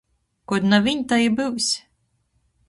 Kod naviņ tai i byus.